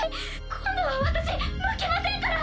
今度は私負けませんから！